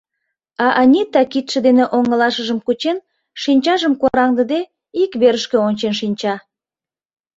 А Анита кидше дене оҥылашыжым кучен, шинчажым кораҥдыде, ик верышке ончен шинча.